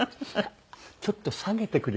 「ちょっと下げてくれる？」